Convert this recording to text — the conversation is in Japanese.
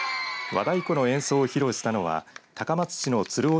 和太鼓の演奏を披露したのは高松市の鶴尾